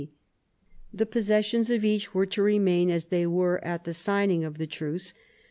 The posses sions of each were to remain as they were at the signing of the truce.